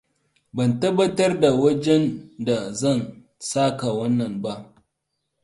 Ban tabbatar da wajenda zan saka wannan ba.